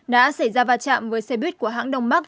đã xảy ra va chạm với xe buýt của hãng đông bắc